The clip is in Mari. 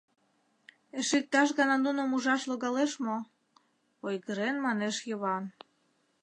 — Эше иктаж гана нуным ужаш логалеш мо? — ойгырен манеш Йыван.